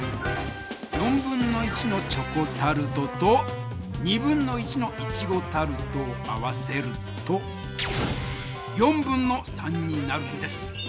1/4のチョコタルトと1/2のイチゴタルトを合わせると3/4になるんです。